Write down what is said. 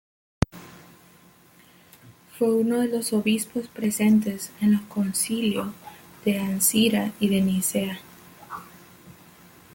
Fue uno de los obispos presentes en los Concilio de Ancira y de Nicea.